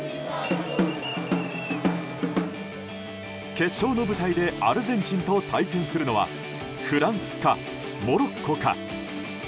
決勝の舞台でアルゼンチンと対戦するのはフランスか、モロッコか。